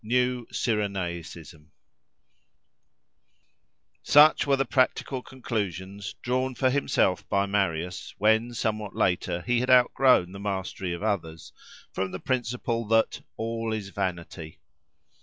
NEW CYRENAICISM Such were the practical conclusions drawn for himself by Marius, when somewhat later he had outgrown the mastery of others, from the principle that "all is vanity."